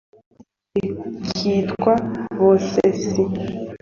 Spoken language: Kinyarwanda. rimwe rikitwa bosesi